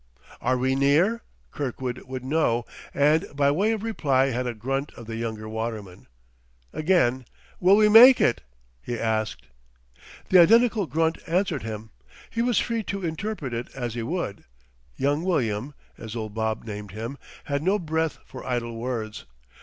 "Are we near?" Kirkwood would know; and by way of reply had a grunt of the younger waterman. Again, "Will we make it?" he asked. The identical grunt answered him; he was free to interpret it as he would; young William as old Bob named him had no breath for idle words.